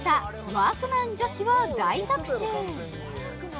ワークマン女子を大特集